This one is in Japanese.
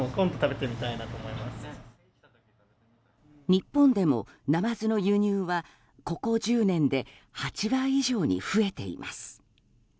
日本でもナマズの輸入はここ１０年で８倍以上に増えています。